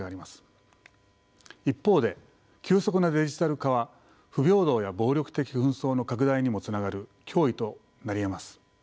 一方で急速なデジタル化は不平等や暴力的紛争の拡大にもつながる脅威となりえます。